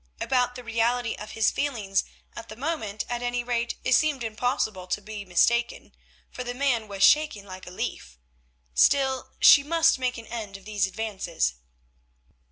About the reality of his feelings at the moment, at any rate, it seemed impossible to be mistaken, for the man was shaking like a leaf. Still, she must make an end of these advances.